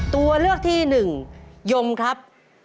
ตัวเลือกที่หนึ่งยมครับ